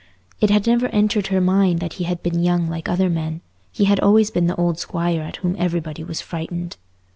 It had never entered her mind that he had been young like other men; he had always been the old Squire at whom everybody was frightened.